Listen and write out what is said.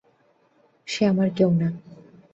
সে আমার কেউ না।